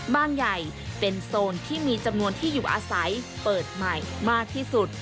ใหญ่เป็นโซนที่มีจำนวนที่อยู่อาศัยเปิดใหม่มากที่สุด